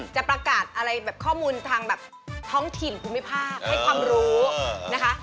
จะประกาศอะไรแบบข้อมูลทางแบบท้องถิ่นภูมิภาคให้ความรู้นะคะ